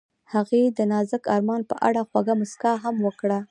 هغې د نازک آرمان په اړه خوږه موسکا هم وکړه.